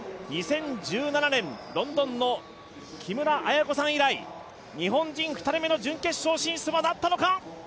２０１７年、ロンドンの木村文子さん以来、日本人の２人目の準決勝進出、なったのか。